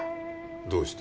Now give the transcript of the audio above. どうして？